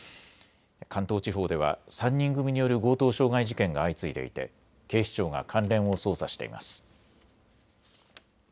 関東地方では３人組による強盗傷害事件が相次いでいて警視庁が関連を捜査しています。